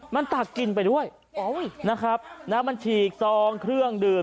มันตักกินไปด้วยนะครับมันฉีกซองเครื่องดื่ม